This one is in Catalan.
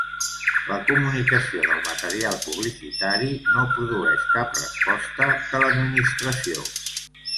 La comunicació del material publicitari no produeix cap resposta de l'Administració.